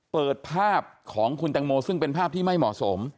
เปิดภาพของคุณแตงโมซึ่งเป็นภาพที่ไม่เหมาะสม